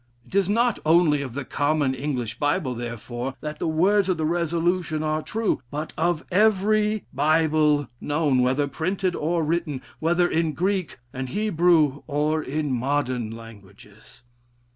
It is not only of the common English Bible, therefore, that the words of the resolution are true, but of every Bible known, whether printed or written, whether in Greek and Hebrew, or in modern languages."